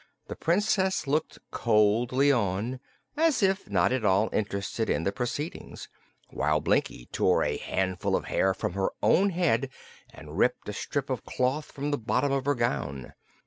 The Princess looked coldly on, as if not at all interested in the proceedings, while Blinkie tore a handful of hair from her own head and ripped a strip of cloth from the bottom of her gown.